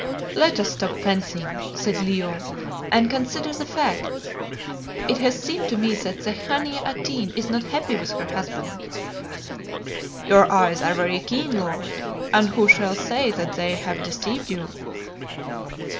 "Let us stop fencing," said Leo, "and consider the facts. It has seemed to me that the Khania Atene is not happy with her husband." "Your eyes are very keen, lord, and who shall say that they have deceived you?"